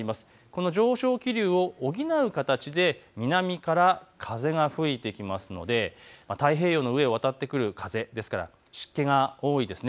この上昇気流を補う形で南から風が吹いてきますので太平洋の上を渡ってくる風ですから、湿気が多いです。